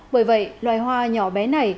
bởi vậy loài hoa nhỏ bé này